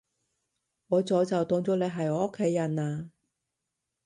我早就當咗你係我屋企人喇